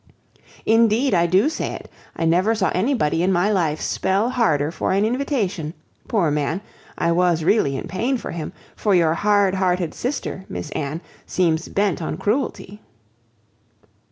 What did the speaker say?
"Indeed, I do say it. I never saw anybody in my life spell harder for an invitation. Poor man! I was really in pain for him; for your hard hearted sister, Miss Anne, seems bent on cruelty."